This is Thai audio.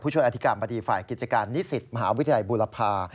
ผู้ช่วยอธิกรรมบริษัทธิภัยกิจการนิสิทธิ์มหาวิทยาลัยบุรพา